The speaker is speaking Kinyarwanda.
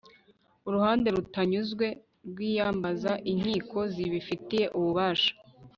uruhande rutanyuzwe rwiyambaza inkiko zibifitiye ububasha